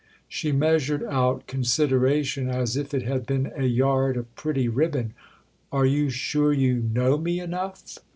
She measured out consideration as if it had been a yard of pretty ribbon. "Are you sure you know me enough?"